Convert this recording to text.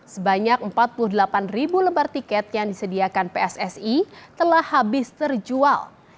sebanyak empat puluh delapan ribu lembar tiket yang disediakan pssi telah habis terjual